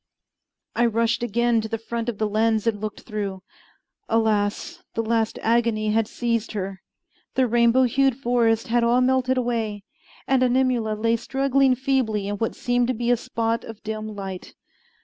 I rushed again to the front of the lens and looked through. Alas! the last agony had seized her. The rainbow hued forests had all melted away, and Animula lay struggling feebly in what seemed to be a spot of dim light.